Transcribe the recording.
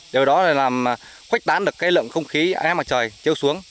điều đó là làm khuếch tán được cái lượng không khí ám mặt trời trêu xuống